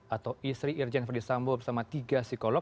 atau istri irjen ferdisambo bersama tiga psikolog